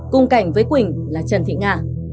cùng cảnh với quỳnh là trần thị nga